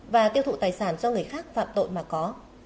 và tiêu thụ tài sản do người khác phạm tội mà có